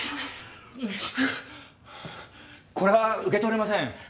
これは受け取れません。